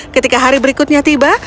ketika hari berikutnya tiba